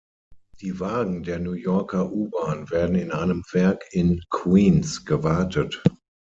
Die Wagen der New Yorker U-Bahn werden in einem Werk in Queens gewartet.